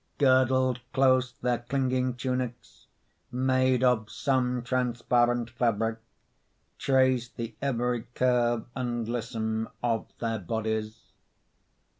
Girdled close their clinging tunics, Made of some transparent fabric, Traced the every curve and lissome Of their bodies.